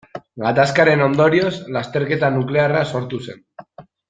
Gatazkaren ondorioz lasterketa nuklearra sortu zen.